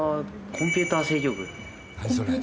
コンピューター制御部。